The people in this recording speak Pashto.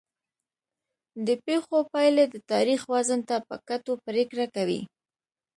د پېښو پایلې د تاریخ وزن ته په کتو پرېکړه کوي.